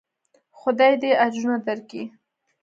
خداى دې اجرونه دركي.